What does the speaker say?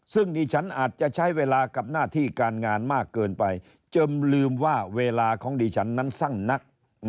ซึ่งดิฉันอาจจะใช้เวลากับหน้าที่การงานมากเกินไปจนลืมว่าเวลาของดิฉันนั้นสั้นนัก